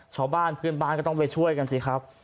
ชาวบ้านเพื่อนบ้านก็ต้องไปช่วยกันสิครับ